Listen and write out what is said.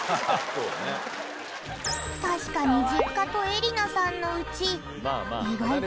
確かに実家と恵莉奈さんの家。